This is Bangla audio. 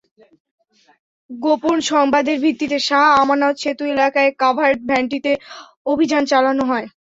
গোপন সংবাদের ভিত্তিতে শাহ আমানত সেতু এলাকায় কাভার্ড ভ্যানটিতে অভিযান চালানো হয়।